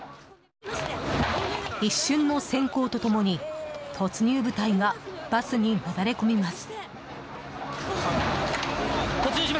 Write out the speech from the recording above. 一瞬の閃光と共に、突入部隊がバスになだれ込みます。